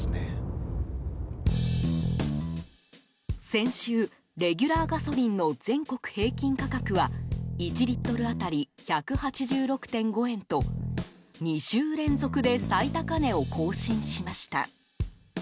先週、レギュラーガソリンの全国平均価格は１リットル当たり１８６．５円と２週連続で最高値を更新しました。